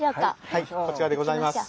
はいこちらでございます。